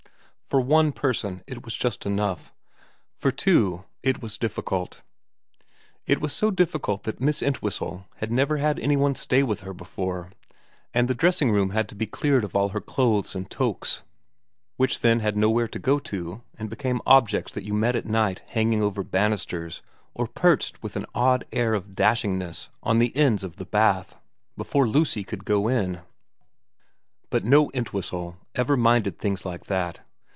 For one person it was just enough ; for two it was difficult. It was so difficult that Miss Entwhistle had never had any one stay with her before, and the dressing room had to be cleared out of all her clothes and toques, which then had nowhere to go to and became objects that you met at night hanging over banisters or perched with an odd air of dashingness on the ends of the bath, before Lucy could go in. But no Entwhistle ever minded things like that.